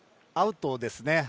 アウトですね。